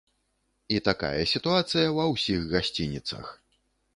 І такая сітуацыя ва ўсіх гасцініцах.